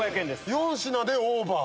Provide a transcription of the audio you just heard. ４品でオーバー。